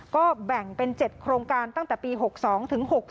ก็แบ่งเป็น๗โครงการตั้งแต่ปี๖๒ถึง๖๕